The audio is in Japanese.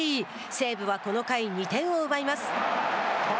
西武はこの回、２点を奪います。